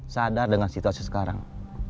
sadar dengan situasi sekarang